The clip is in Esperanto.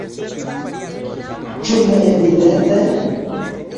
Ĉu ne evidente?